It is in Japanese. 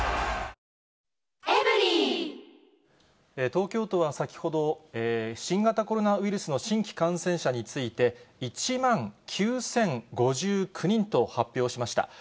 東京都は先ほど、新型コロナウイルスの新規感染者について、１万９０５９人と発表しました。